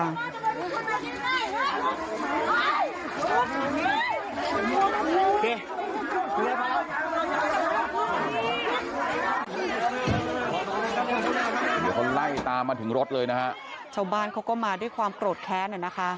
เดี๋ยวเขาไล่ตามมาถึงรถเลยนะฮะชาวบ้านเขาก็มาด้วยความโกรธแค้นอ่ะนะคะ